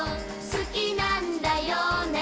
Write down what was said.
「好きなんだよね？」